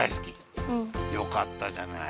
うん。よかったじゃない。